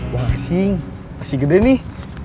yang asing masih gede nih